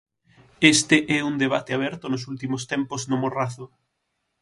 Este é un debate aberto nos últimos tempos no Morrazo.